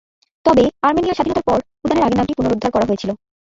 তবে, আর্মেনিয়া স্বাধীনতার পর, উদ্যানের আগের নামটি পুনরুদ্ধার করা হয়েছিল।